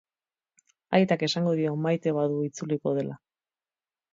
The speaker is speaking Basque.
Aitak esango dio maite badu itzuliko dela.